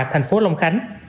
thành phố long khánh